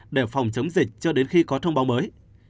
để phòng chống dịch cho đến khi có thông báo mới